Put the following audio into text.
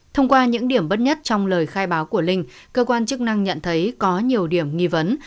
thông qua những điểm bất nhất trong lời khai báo của linh cơ quan chức năng nhận thấy có nhiều điểm nghi vấn